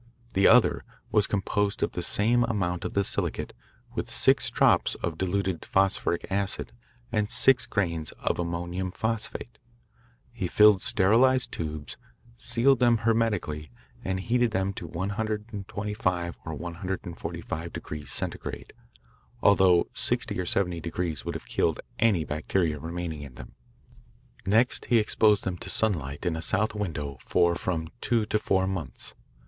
The other was composed of the same amount of the silicate with six drops of dilute phosphoric acid and six grains of ammonium phosphate. He filled sterilised tubes, sealed them hermetically, and heated them to 125 or 145 degrees, Centigrade, although 60 or 70 degrees would have killed any bacteria remaining in them. Next he exposed them to sunlight in a south window for from two to four months.